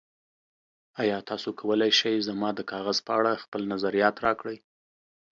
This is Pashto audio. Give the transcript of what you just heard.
ایا تاسو کولی شئ زما د کاغذ په اړه خپل نظر راکړئ؟